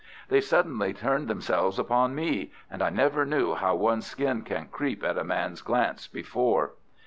They suddenly turned themselves upon me and I never knew how one's skin can creep at a man's glance before.